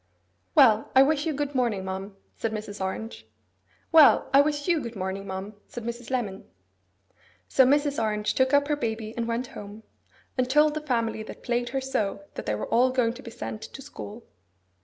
'Well, I wish you good morning, ma'am,' said Mrs. Orange. 'Well, I wish you good morning, ma'am,' said Mrs. Lemon. So Mrs. Orange took up her baby and went home, and told the family that plagued her so that they were all going to be sent to school.